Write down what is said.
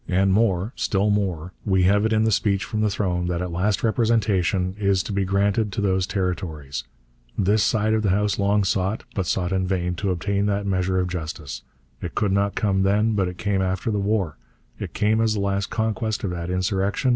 And more still more: we have it in the Speech from the Throne that at last representation is to be granted to those Territories. This side of the House long sought, but sought in vain, to obtain that measure of justice. It could not come then, but it came after the war; it came as the last conquest of that insurrection.